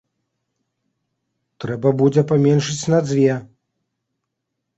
Трэба будзе паменшыць на дзве!